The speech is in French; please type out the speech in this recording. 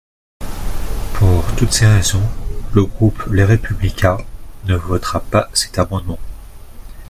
Pour toutes ces raisons, le groupe Les Républicains ne votera pas cet amendement.